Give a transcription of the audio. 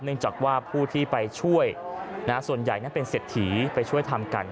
จากว่าผู้ที่ไปช่วยส่วนใหญ่นั้นเป็นเศรษฐีไปช่วยทำกัน